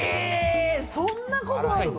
そんなことあるの？